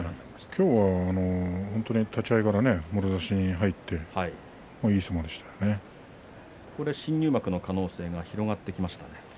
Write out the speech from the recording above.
今日は立ち合いからもろ差しに入って新入幕の可能性が広がってきましたね。